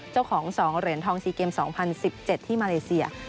เจ้าของ๒เหรียญทอง๔เกม๒๐๑๗ที่มาเลเซีย